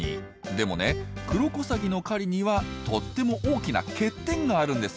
でもねクロコサギの狩りにはとっても大きな欠点があるんですよ。